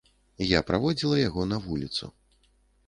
Я праводзіла яго на вуліцу.